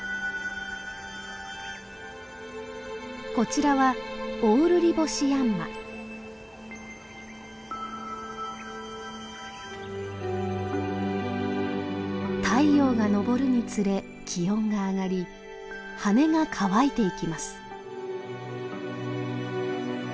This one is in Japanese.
こちらは太陽が昇るにつれ気温が上がり羽が乾いていきます。